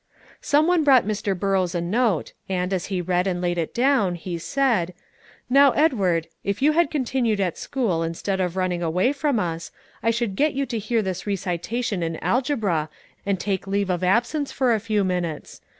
Some one brought Mr. Burrows a note, and, as he read and laid it down, he said, "Now, Edward, if you had continued at school instead of running away from us, I should get you to hear this recitation in algebra, and take leave of absence for a few minutes.